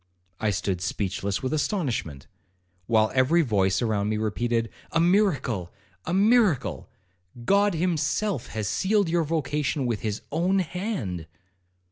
I stood speechless with astonishment, while every voice around me repeated, 'A miracle! a miracle!—God himself has sealed your vocation with his own hand.'